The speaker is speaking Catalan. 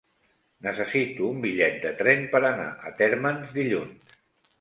Necessito un bitllet de tren per anar a Térmens dilluns.